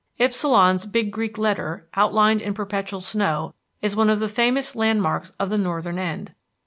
Ypsilon's big Greek letter, outlined in perpetual snow, is one of the famous landmarks of the northern end.